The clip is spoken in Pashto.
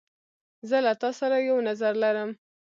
زه له تا سره یو نظر لرم.